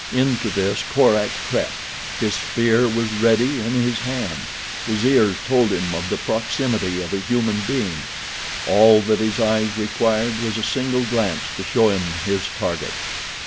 Into this Korak crept. His spear was ready in his hand. His ears told him of the proximity of a human being. All that his eyes required was a single glance to show him his target.